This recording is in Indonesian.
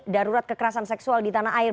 darurat kekerasan seksual di tanah air